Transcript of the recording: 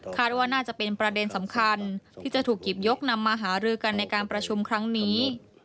ว่าน่าจะเป็นประเด็นสำคัญที่จะถูกหยิบยกนำมาหารือกันในการประชุมครั้งนี้